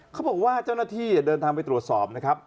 เขาบอกว่าเจ้าหน้าที่เดินทางไปตรวจสอบนะครับ